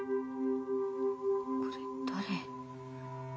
これだれ？